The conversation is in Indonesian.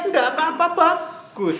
enggak apa apa bagus